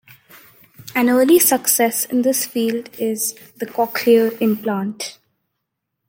An early success in this field is the "cochlear implant".